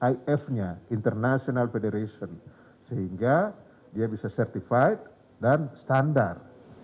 if nya international federation sehingga dia bisa certified dan standar